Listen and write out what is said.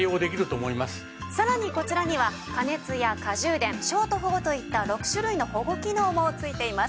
さらにこちらには過熱や過充電ショート保護といった６種類の保護機能も付いています。